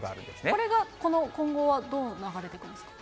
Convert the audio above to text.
これが、この今後はどう流れてくるんですか。